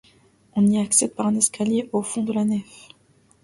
On y accède par un escalier au fond de la nef.